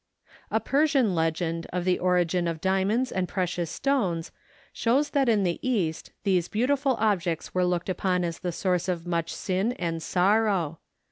A Persian legend of the origin of diamonds and precious stones shows that in the East these beautiful objects were looked upon as the source of much sin and sorrow.